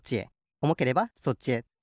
おもければそっちへ。